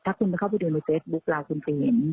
ถ้าคุณเข้าไปดูในเฟซบุ๊คเราคุณไปเห็น